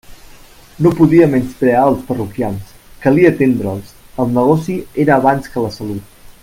No podia menysprear els parroquians; calia atendre'ls; el negoci era abans que la salut.